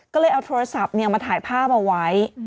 ก็เลยเอาโทรศัพท์มาถ่ายภาพเอาไว้